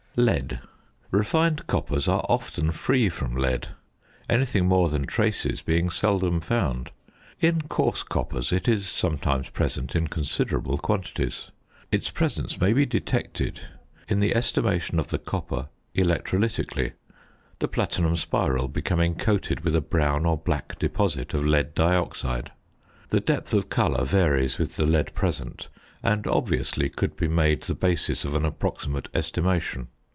~Lead.~ Refined coppers are often free from lead, anything more than traces being seldom found; in coarse coppers it is sometimes present in considerable quantities. Its presence may be detected in the estimation of the copper electrolytically, the platinum spiral becoming coated with a brown or black deposit of lead dioxide. The depth of colour varies with the lead present, and obviously could be made the basis of an approximate estimation.